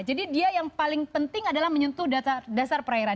jadi dia yang paling penting adalah menyentuh dasar perairan